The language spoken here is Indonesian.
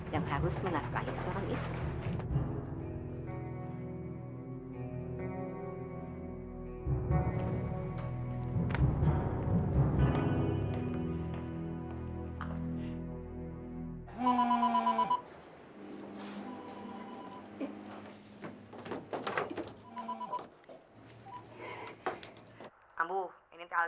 yang harus menafkahi seorang istri